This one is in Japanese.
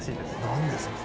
何ですか？